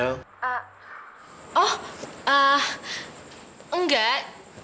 ah oh ah enggak